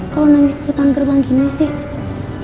kalo nangis di depan gerbang gini sih